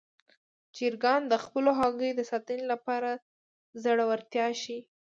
چرګان د خپلو هګیو د ساتنې لپاره زړورتیا ښيي.